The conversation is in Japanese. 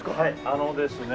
あのですね